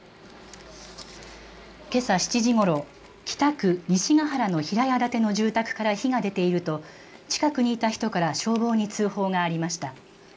けさ７時ごろ、北区西ヶ原の平屋建ての住宅から火が出ていると近くにいた人から消防に通報がありました。